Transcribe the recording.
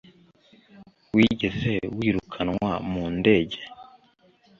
Wigeze wirukanwa mu ndege?